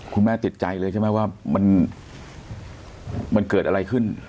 แม่ติดใจเลยใช่ไหมว่ามันเกิดอะไรขึ้น